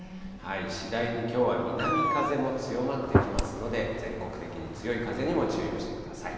次第にきょうは南風も強まってきますので、全国的に強い風にも注意をしてください。